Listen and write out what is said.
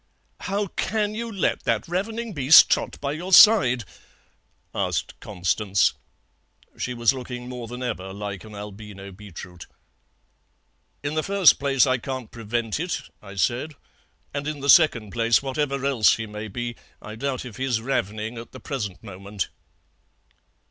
"'How can you let that ravening beast trot by your side?' asked Constance. She was looking more than ever like an albino beetroot. "'In the first place, I can't prevent it,' I said; 'and in the second place, whatever else he may be, I doubt if he's ravening at the present moment.'